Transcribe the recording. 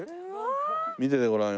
見ててごらんよ。